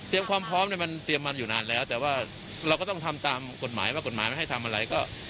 ความพร้อมเนี่ยมันเตรียมมันอยู่นานแล้วแต่ว่าเราก็ต้องทำตามกฎหมายว่ากฎหมายไม่ให้ทำอะไรก็